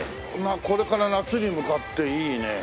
これから夏に向かっていいね。